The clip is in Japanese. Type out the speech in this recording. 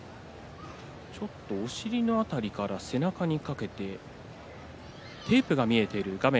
ちょっとお尻の辺りから背中にかけてテープが見えている画面